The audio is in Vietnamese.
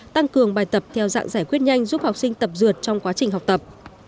tăng cường bài tập theo dạng giải quyết nhanh giúp học sinh tập dượt trong quá trình học tập